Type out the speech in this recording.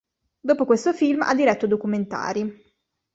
Dopo questo film ha diretto documentari.